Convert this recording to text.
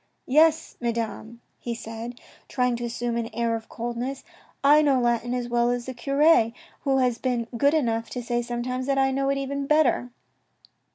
" Yes, Madame," he said, trying to assume an air of coldness, " I know Latin as well as the cure, who has been good enough to say sometimes that I know it even better."